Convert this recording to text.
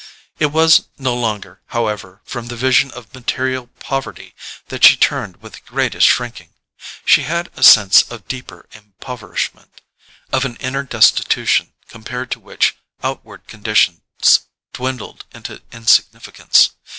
It was no longer, however, from the vision of material poverty that she turned with the greatest shrinking. She had a sense of deeper impoverishment—of an inner destitution compared to which outward conditions dwindled into insignificance.